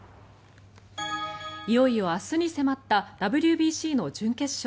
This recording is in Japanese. いよいよ明日に迫ったＷＢＣの準決勝。